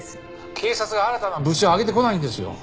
警察が新たな物証を挙げてこないんですよ！